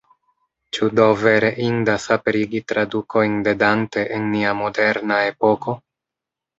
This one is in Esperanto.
Ĉu do vere indas aperigi tradukojn de Dante en nia moderna epoko?